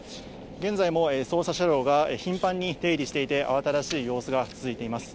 現在も捜査車両が頻繁に出入りしていて、慌ただしい様子が続いています。